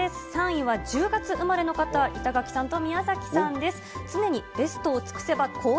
３位は１０月生まれの方、板垣さんと宮崎さんです。